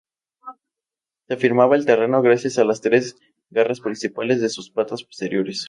Se afirmaba al terreno gracias a las tres garras principales de sus patas posteriores.